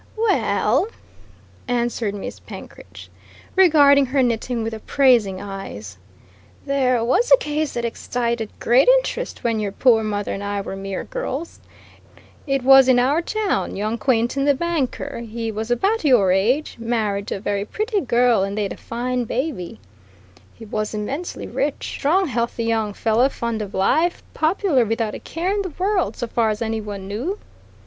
"Well," answered Miss Penkridge, regarding her knitting with appraising eyes, "there was a case that excited great interest when your poor mother and I were mere girls. It was in our town young Quainton, the banker. He was about your age, married to a very pretty girl, and they'd a fine baby. He was immensely rich, a strong healthy young fellow, fond of life, popular, without a care in the world, so far as any one knew.